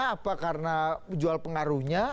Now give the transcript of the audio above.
apa karena jual pengaruhnya